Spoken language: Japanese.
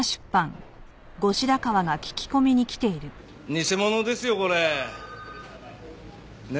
偽物ですよこれ。ね？